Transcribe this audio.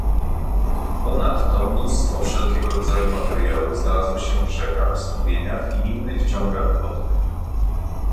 Ponadto mnóstwo wszelkiego rodzaju materiału znalazło się w rzekach, strumieniach i innych ciągach wodnych